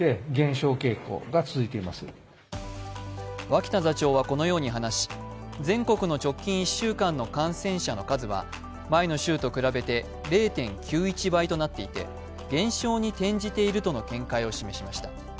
脇田座長はこのように話し全国の直近１週間の感染者の数は前の週と比べて０．９１倍となっていて減少に転じているとの見解を示しました。